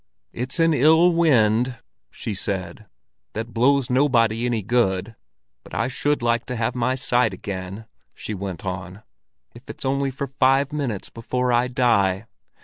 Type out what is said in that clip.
"It's an ill wind," she said, "that blows nobody any good. But I should like to have my sight again," she went on, "if it's only for five minutes, before I die.